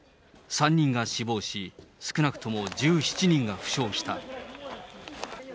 ３人が死亡し、少なくとも１７人が負傷した。